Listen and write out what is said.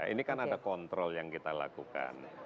ini kan ada kontrol yang kita lakukan